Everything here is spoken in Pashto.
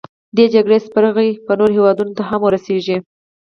دې جګړې سپرغۍ به نورو هیوادونو ته هم ورسیږي.